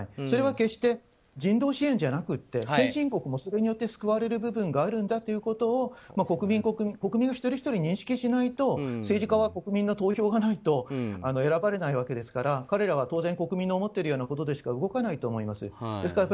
それは決して人道支援じゃなくて先進国もそれによって救われる部分があるということを国民が一人ひとり認識しないと政治家は、国民の投票がないと選ばれないわけですから彼らは当然、国民の思っているようなことでしか動かないと思います。